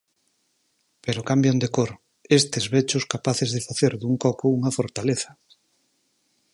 Pero cambian de cor, estes bechos capaces de facer dun coco unha fortaleza.